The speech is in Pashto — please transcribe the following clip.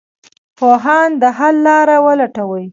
پوهان د حل لاره ولټوي.